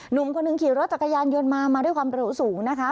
หนุ่มคนหนึ่งขี่รถจักรยานยนต์มามาด้วยความเร็วสูงนะคะ